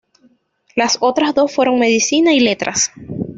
Las otras dos fueron Medicina y Letras.